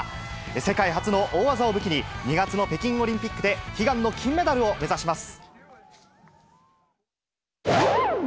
世界初の大技を武器に、２月の北京オリンピックで、悲願の金メダルを目指します。